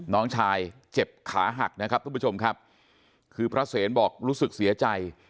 น้องชายเจ็บขาหักนะครับทุกผู้ชมครับคือพระเสนบอกรู้สึกเสียใจ